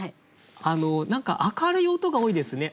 何か明るい音が多いですね。